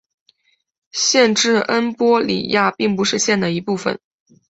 县治恩波里亚并不是县的一部分。